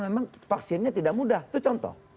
memang vaksinnya tidak mudah itu contoh